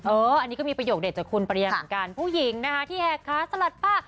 เอออันนี้ก็มีประโยชน์เด็ดจากคุณปริญญาการผู้หญิงนะคะที่แอร์ค้าสลัดป้ะ